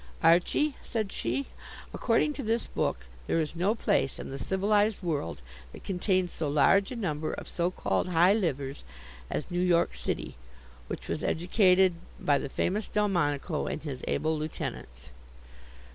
"Archie," said she, "according to this book, there is no place in the civilized world that contains so large a number of so called high livers as New York City, which was educated by the famous Delmonico and his able lieutenants."